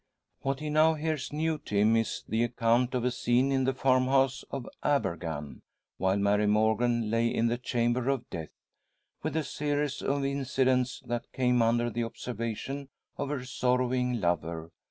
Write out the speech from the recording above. What he now hears new to him is the account of a scene in the farm house of Abergann, while Mary Morgan lay in the chamber of death, with a series of incidents that came under the observation of her sorrowing lover.